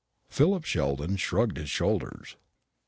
Philip Sheldon shrugged his shoulders.